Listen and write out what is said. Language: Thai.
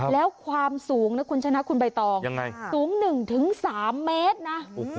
แล้วความสูงนะคุณชนะคุณใบตองยังไงสูง๑๓เมตรนะ